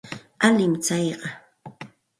Alin tsayqa.